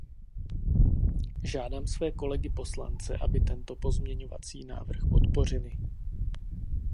Žádám své kolegy poslance, aby tento pozměňovací návrh podpořili.